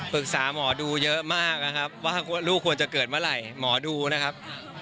ปรึกษาหมอดูเยอะมากนะครับว่าลูกควรจะเกิดเมื่อไหร่หมอดูนะครับ